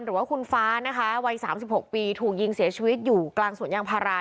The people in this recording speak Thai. หรือว่าคุณฟ้านะคะวัย๓๖ปีถูกยิงเสียชีวิตอยู่กลางสวนยางพารา